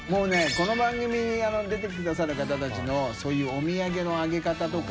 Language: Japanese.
この番組に出てくださる方たちの修Δいおみやげのあげかたとか。